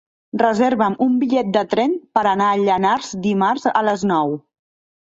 Reserva'm un bitllet de tren per anar a Llanars dimarts a les nou.